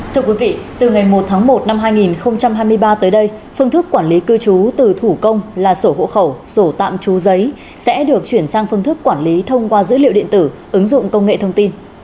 thưa quý vị từ ngày một tháng một năm hai nghìn hai mươi ba tới đây phương thức quản lý cư trú từ thủ công là sổ hộ khẩu sổ tạm trú giấy sẽ được chuyển sang phương thức quản lý thông qua dữ liệu điện tử ứng dụng công nghệ thông tin